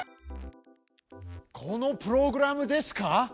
このプログラムですか？